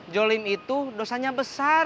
jolim itu dosanya besar